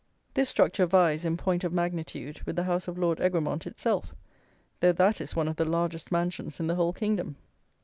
This structure vies, in point of magnitude with the house of Lord Egremont itself, though that is one of the largest mansions in the whole kingdom.